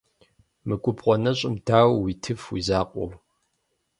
Мы губгъуэ нэщӀым дауэ уитыф уи закъуэу?